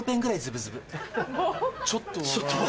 ちょっと。